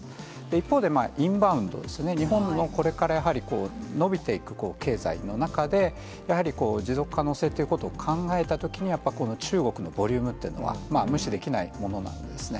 一方でインバウンドですね、日本もこれからやはり、伸びていく経済の中で、やはり持続可能性ということを考えたときに、やっぱりこの中国のボリュームというのは、無視できないものなんですね。